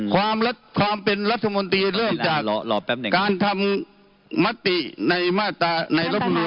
ความเป็นรัฐมนตรีเริ่มจากการทำมติในรับรวมมาตราร้อยห้าสิบเก้า